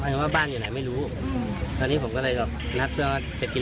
ว่าบ้านอยู่ไหนไม่รู้อืมตอนนี้ผมก็เลยแบบนัดเพื่อว่าจะกิน